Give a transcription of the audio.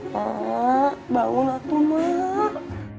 mak bangun aku mak